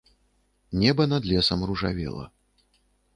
Неба над лесам ружавела.